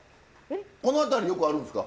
この辺りよくあるんですか？